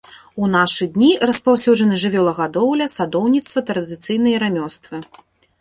У нашы дні распаўсюджаны жывёлагадоўля, садоўніцтва, традыцыйныя рамёствы.